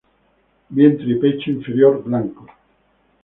Vientre y pecho inferior blancos.